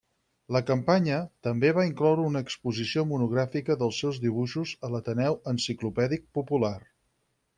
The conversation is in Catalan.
La campanya també va incloure una exposició monogràfica dels seus dibuixos a l'Ateneu Enciclopèdic Popular.